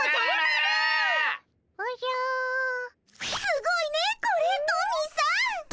すごいねこれトミーさん。